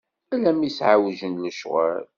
Ala mi s-εewjen lecɣal.